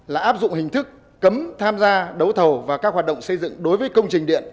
là áp dụng hình thức cấm tham gia đấu thầu và các hoạt động xây dựng đối với công trình điện